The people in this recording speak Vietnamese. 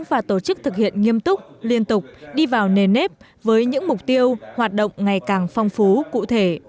và tổ chức thực hiện nghiêm túc liên tục đi vào nền nếp với những mục tiêu hoạt động ngày càng phong phú cụ thể